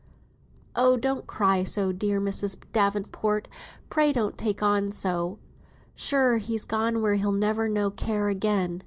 "Oh, don't cry so, dear Mrs. Davenport, pray don't take on so. Sure he's gone where he'll never know care again.